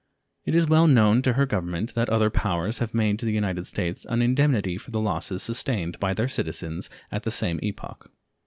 It is well known to her Government that other powers have made to the United States an indemnity for like losses sustained by their citizens at the same epoch.